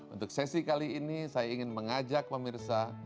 untuk sesi kali ini saya ingin mengajak pemirsa